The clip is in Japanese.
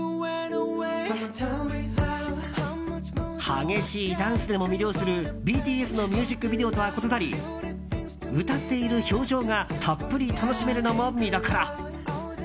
激しいダンスでも魅了するＢＴＳのミュージックビデオとは異なりうたっている表情がたっぷり楽しめるのも見どころ。